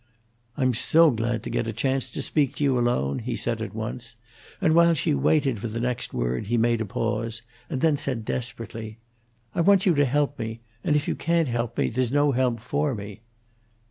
"I'm so glad to get a chance to speak to you alone," he said at once; and while she waited for the next word he made a pause, and then said, desperately, "I want you to help me; and if you can't help me, there's no help for me."